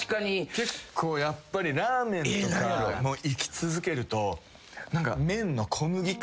結構やっぱりラーメンとかもいき続けると。